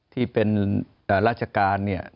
ที่เป็นราชการเนี่ย